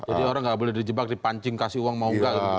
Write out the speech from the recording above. jadi orang tidak boleh dijebak dipancing dikasih uang mau tidak